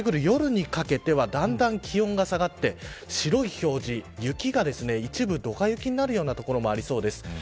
夜にかけてはだんだん気温が下がって白い表示、雪が一部ドカ雪になる所もありそうです。